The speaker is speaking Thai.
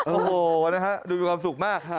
โอ้โฮนะครับดูมีความสุขมากค่ะ